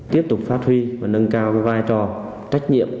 tiếp tục phát huy và nâng cao vai trò trách nhiệm